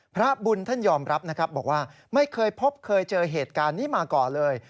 พระบุญท่านยอมรับนะครับบอกว่าไม่เคยพบเคยเจอเหตุการณ์นี้มาก่อนเลย